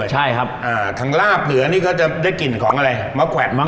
ไปแบ่งลูกค้าเขากินมาก